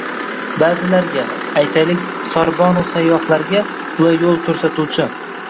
Ba’zilarga, aytaylik, sarbon-u sayyohlarga — ular yo‘l ko‘rsatuvchi